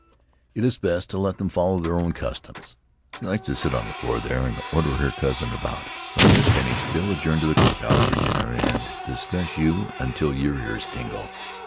It is best to let them follow their own customs; she likes to sit on the floor there and order her cousin about; when we've finished they'll adjourn to the cook house for dinner and discuss you till your ears tingle.